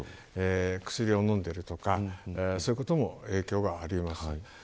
薬を飲んでいるとかそういうことも影響はあり得ます。